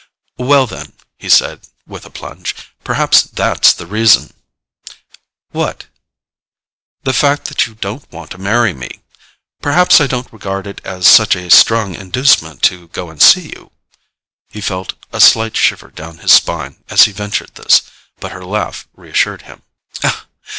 "Well, then," he said with a plunge, "perhaps THAT'S the reason." "What?" "The fact that you don't want to marry me. Perhaps I don't regard it as such a strong inducement to go and see you." He felt a slight shiver down his spine as he ventured this, but her laugh reassured him.